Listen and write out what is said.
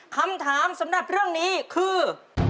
คำถามสำหรับเรื่องนี้คือ